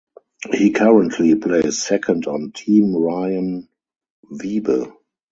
He currently plays second on Team Ryan Wiebe.